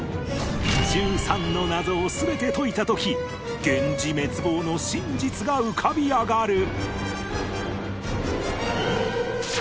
１３の謎を全て解いた時源氏滅亡の真実が浮かび上がる